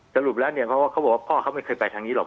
สรุปแล้วเนี่ยเขาบอกว่าพ่อเขาไม่เคยไปทางนี้หรอก